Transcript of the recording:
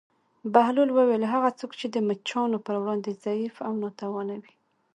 بهلول وویل: هغه څوک چې د مچانو پر وړاندې ضعیف او ناتوانه وي.